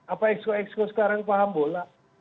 apa exco exco sekarang paham bola